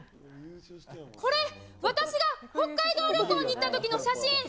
これ、私が北海道旅行に行ったときの写真。